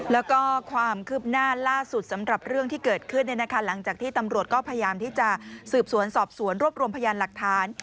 แล้วก็ความคืบหน้าล่าสุดสำหรับเรื่องที่เกิดขึ้นหลังจากที่ตำรวจก็พยายามที่จะสืบสวนสอบสวนรวบรวมพยานหลักฐาน